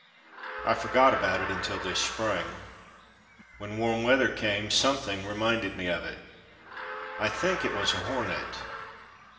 I forgot about it until this spring. When warm weather came, something reminded me of it. I think it was a hornet.